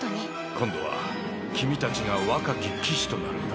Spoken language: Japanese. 今度は君たちが若き騎士となるんだ。